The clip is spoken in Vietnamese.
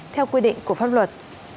theo quy định của pháp luật